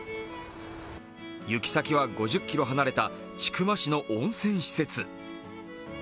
行き先は、５０ｋｍ離れた千曲市の温泉施設。